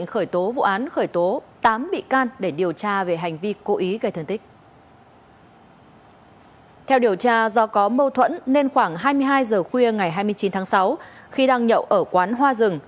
hai mươi hai h khuya ngày hai mươi chín tháng sáu khi đang nhậu ở quán hoa rừng